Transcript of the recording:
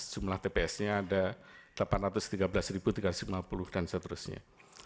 jumlah tps nya ada delapan ratus tiga belas tiga ratus lima puluh dan seterusnya